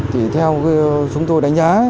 theo chúng tôi đánh giá